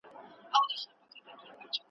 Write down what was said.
صبر تریخ دی خو میوه یې خوږه ده